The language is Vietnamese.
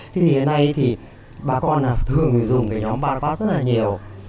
thì hiện nay thì bà con thường dùng cái nhóm paraquat rất là nhiều